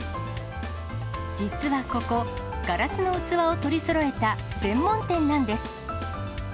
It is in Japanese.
実はここ、ガラスの器を取りそろえた専門店なんです。